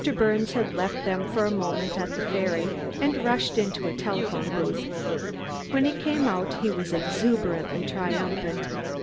Birnes had left them for a moment at the ferry and rushed into a telephone booth. When he came out he was exuberantly triumphant.